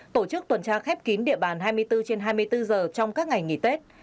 tổ chức tuần tra khép kín địa bàn hai mươi bốn trên hai mươi bốn giờ trong các ngày nghỉ tết